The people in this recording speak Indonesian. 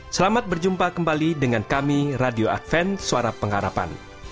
selamat berjumpa kembali dengan kami radio advent suara pengharapan